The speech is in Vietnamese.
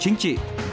chế độ chính trị